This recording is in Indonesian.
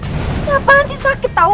kenapaan sih sakit tau